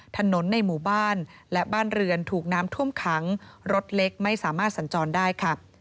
ถนนในหมู่บ้านและบ้านเรือนถูกน้ำท่วมขังรถเล็กไม่สามารถสัญจรได้ค่ะ